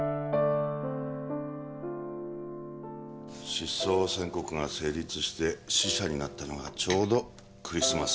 失踪宣告が成立して死者になったのがちょうどクリスマスイブ。